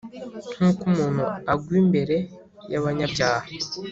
Nk’uko umuntu agwa imbere y’abanyabyaha